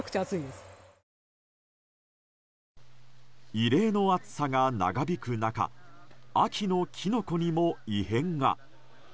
異例の暑さが長引く中秋のキノコにも異変が。